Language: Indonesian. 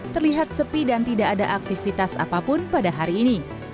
terlihat sepi dan tidak ada aktivitas apapun pada hari ini